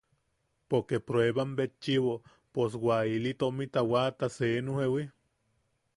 Poke pruebambetchiʼibo pos wa ili tomita waata seenu jewi.